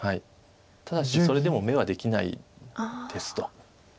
ただしそれでも眼はできないですと。